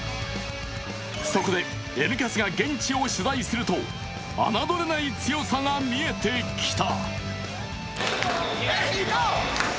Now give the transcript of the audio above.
そこで、「Ｎキャス」が現地を取材すると、侮れない強さが見えてきた。